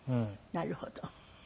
なるほど。